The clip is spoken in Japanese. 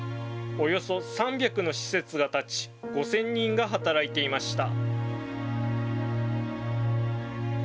およそ３００の施設が建ち、５０００人が働いていました。